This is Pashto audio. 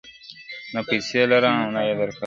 نه پیسې لرم اونه یې درکومه -